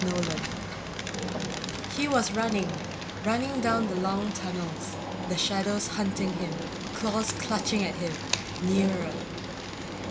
NOLAN_ He was running, running down the long tunnels, the shadows hunting him, claws clutching at him, nearer